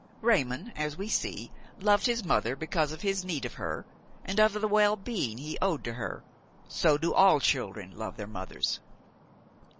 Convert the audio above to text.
Raymon, as we see, loved his mother because of his need of her and of the well being he owed to her; so do all children love their mothers.